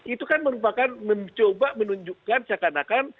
itu kan merupakan mencoba menunjukkan seakan akan